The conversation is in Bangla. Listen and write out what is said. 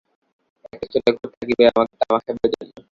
একটা ছোট ঘর থাকিবে তামাক খাইবার জন্য।